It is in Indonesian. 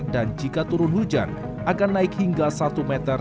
dan jika turun hujan akan naik hingga satu meter